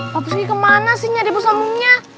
papsky kemana sih nyari busangunya